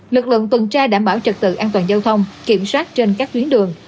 lực lượng tuần tra đảm bảo trật tự an toàn giao thông kiểm soát trên các tuyến đường